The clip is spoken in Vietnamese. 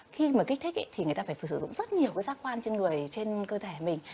khi mà kích thích thì người ta phải sử dụng rất nhiều cái giác quan trên người trên cơ thể mình